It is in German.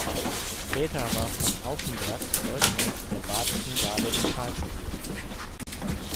Später war von Auffenberg Leutnant der badischen Garde in Karlsruhe.